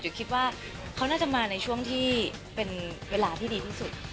คิดว่าเขาน่าจะมาในช่วงที่เป็นเวลาที่ดีที่สุด